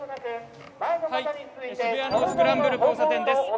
渋谷のスクランブル交差点です。